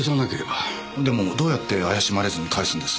でもどうやって怪しまれずに返すんです？